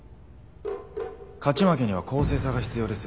勝ち負けには「公正さ」が必要です。